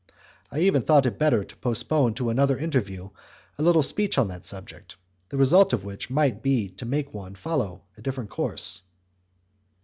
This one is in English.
I even thought it better to postpone to another interview a little speech on that subject, the result of which might be to make me follow a different course.